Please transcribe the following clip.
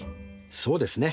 そうですね。